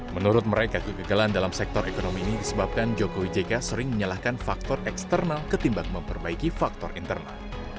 menurut mereka kegagalan dalam sektor ekonomi ini disebabkan jokowi jk sering menyalahkan faktor eksternal ketimbang memperbaiki faktor internal